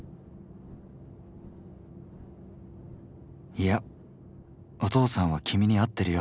いやお父さんは君に会っているヨ。